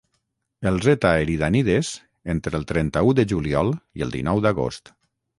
els Eta Eridanides entre el trenta-u de juliol i el dinou d'agost